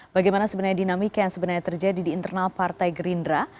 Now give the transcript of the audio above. bagaimana sebenarnya dinamika yang sebenarnya terjadi di internal partai gerindra